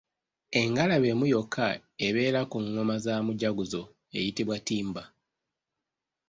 Engalabi emu yokka ebeera ku ngoma za mujaguzo eyitibwa Ttimba.